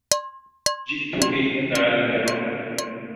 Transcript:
جِئْتِ كَيْ أَتَعَلَّمَ.